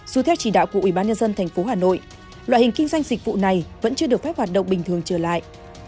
dù theo chỉ đạo của ubnd tp hà nội loại hình kinh doanh dịch vụ này vẫn chưa được phép hoạt động bình thường trở lại